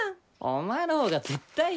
お前の方が絶対変らて。